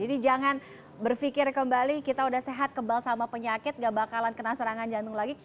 jadi jangan berfikir kembali kita udah sehat kebal sama penyakit gak bakalan kena serangan jantung lagi